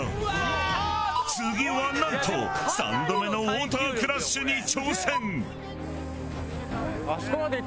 次はなんと３度目のウォータークラッシュに挑戦！